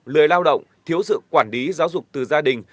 lười lao động thiếu sự quản lý giáo dục từ gia đình